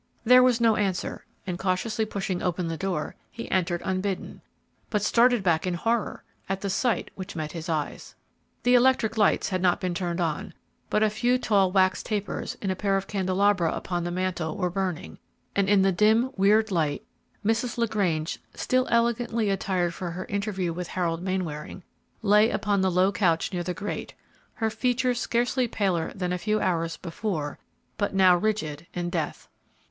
There was no answer, and cautiously pushing open the door, he entered unbidden, but started back in horror at the sight which met his eyes. The electric lights had not been turned on, but a few tall wax tapers, in a pair of candelabra upon the mantel, were burning, and in the dim, weird light, Mrs. LaGrange, still elegantly attired for her interview with Harold Mainwaring, lay upon the low couch near the grate, her features scarcely paler than a few hours before, but now rigid in death.